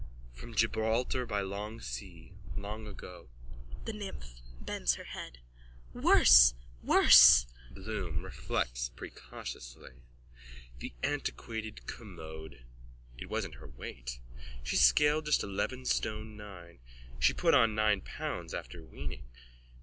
From Gibraltar by long sea long ago. THE NYMPH: (Bends her head.) Worse, worse! BLOOM: (Reflects precautiously.) That antiquated commode. It wasn't her weight. She scaled just eleven stone nine. She put on nine pounds after weaning.